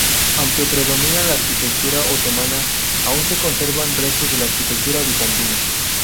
Aunque predomina la arquitectura otomana, aún se conservan restos de arquitectura bizantina.